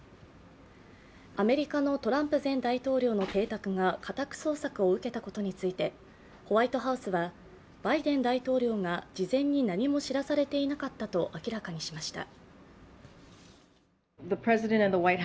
アメリカのトランプ前大統領の邸宅が家宅捜索を受けたことについて、ホワイトハウスはバイデン大統領が事前に何も知らされていなかったと明らかにしました。